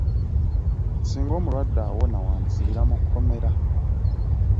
Ssinga omulwadde awona wandisibira mu kkomera.